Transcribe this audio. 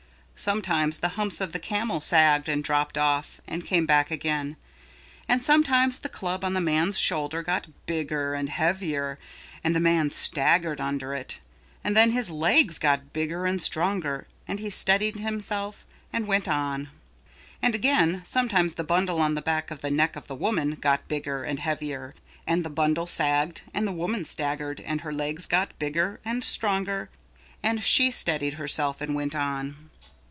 Sometimes the humps of the camel sagged and dropped off and came back again. And sometimes the club on the man's shoulder got bigger and heavier and the man staggered under it and then his legs got bigger and stronger and he steadied himself and went on. And again sometimes the bundle on the back of the neck of the woman got bigger and heavier and the bundle sagged and the woman staggered and her legs got bigger and stronger and she steadied herself and went on.